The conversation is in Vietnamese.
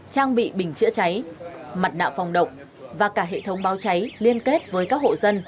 trang bị bình chữa cháy mặt nạ phòng động và cả hệ thống báo cháy liên kết với các hộ dân